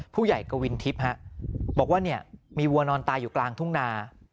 ผู้ใหญ่กวินทิพย์บอกว่ามีวัวนอนตายอยู่กลางทุ่งนา